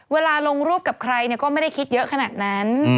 เวลาลงรูปกับใครก็ไม่ได้คิดเยอะขนาดนั้น